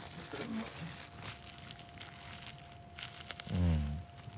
うん。